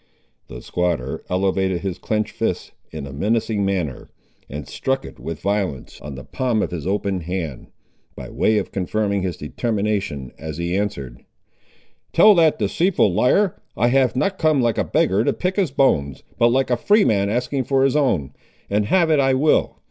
The squatter elevated his clenched fist in a menacing manner, and struck it with violence on the palm of his open hand, by way of confirming his determination, as he answered— "Tell the deceitful liar, I have not come like a beggar to pick his bones, but like a freeman asking for his own; and have it I will.